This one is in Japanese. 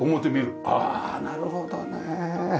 ああなるほどね。